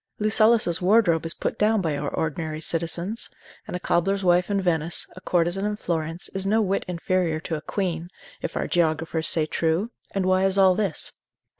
Lucullus's wardrobe is put down by our ordinary citizens; and a cobbler's wife in Venice, a courtesan in Florence, is no whit inferior to a queen, if our geographers say true: and why is all this?